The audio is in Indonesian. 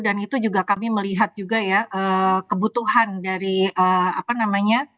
dan itu juga kami melihat juga ya kebutuhan dari apa namanya